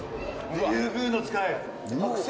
リュウグウノツカイ剥製？